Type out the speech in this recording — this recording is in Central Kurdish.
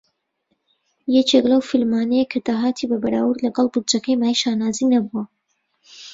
یەکێک لەو فیلمانەیە کە داهاتی بە بەراورد لەگەڵ بودجەکەی مایەی شانازی نەبووە.